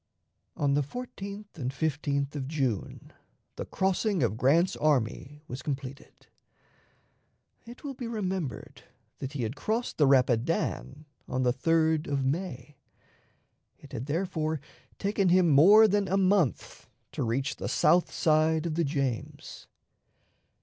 On the 14th and 15th of June the crossing of Grant's army was completed. It will be remembered that he had crossed the Rapidan on the 3d of May. It had therefore taken him more than a month to reach the south side of the James.